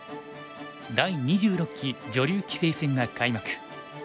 第２６期女流棋聖戦が開幕。